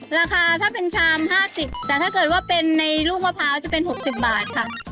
ราคาถ้าเป็นชาม๕๐แต่ถ้าเกิดว่าเป็นในลูกมะพร้าวจะเป็น๖๐บาทค่ะ